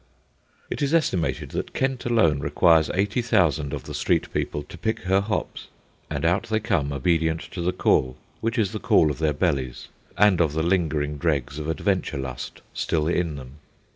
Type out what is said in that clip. It is estimated that Kent alone requires eighty thousand of the street people to pick her hops. And out they come, obedient to the call, which is the call of their bellies and of the lingering dregs of adventure lust still in them.